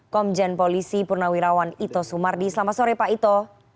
komjen polisi purnawirawan ito sumardi selamat sore pak ito